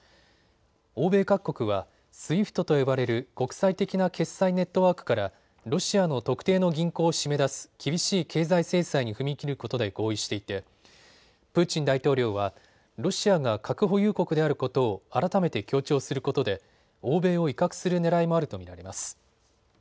欧米各国はＳＷＩＦＴと呼ばれる国際的な決済ネットワークからロシアの特定の銀行を締め出す厳しい経済制裁に踏み切ることで合意していてプーチン大統領はロシアが核保有国であることを改めて強調することで欧米を威嚇するねらいもあると見られます。